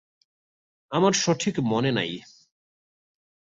আমার সঠিক মনে নাই।